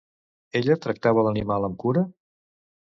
Ella tractava l'animal amb cura?